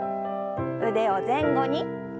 腕を前後に。